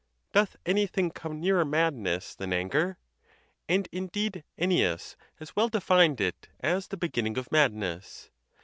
Doth anything come nearer madness than anger? And indeed Ennius has well defined it as the beginning of mad ness.